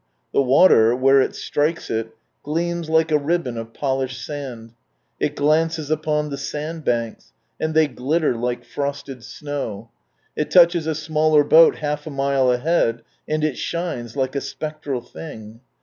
The water, where it strikes it, gleams like a ribbon of polished steel ; it glances upon the sandbanks, and they glitter like frosted snow ; it touches a smaller boat half a mile ahead, and it shines like a spec tral thing.